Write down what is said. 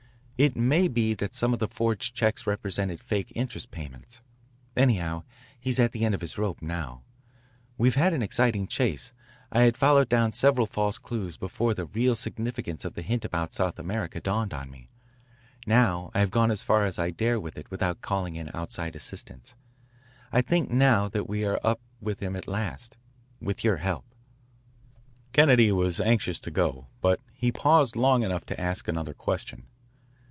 It may be that some of the forged checks represented fake interest payments. Anyhow, he's at the end of his rope now. We've had an exciting chase. I had followed down several false clues before the real significance of the hint about South America dawned on me. Now I have gone as far as I dare with it without calling in outside assistance. I think now we are up with him at last with your help." Kennedy was anxious to go, but he paused long enough to ask another question.